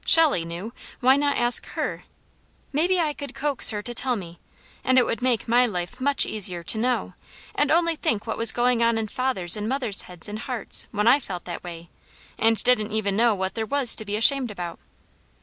Shelley knew, why not ask HER? Maybe I could coax her to tell me, and it would make my life much easier to know; and only think what was going on in father's and mother's heads and hearts, when I felt that way, and didn't even know what there was to be ashamed about.